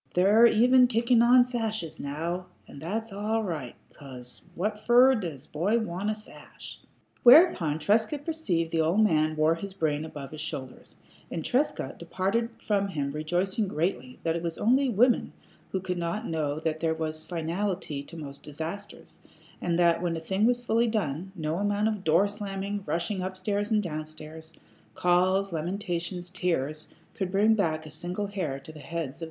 They're even kicking on sashes now, and that's all right, 'cause what fer does a boy want a sash?" Whereupon Trescott perceived that the old man wore his brains above his shoulders, and Trescott departed from him rejoicing greatly that it was only women who could not know that there was finality to most disasters, and that when a thing was fully done, no amount of door slammings, rushing up stairs and down stairs, calls, lamentations, tears, could bring back a single hair to the heads of twins.